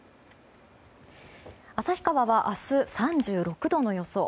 旭川は明日、３６度の予想。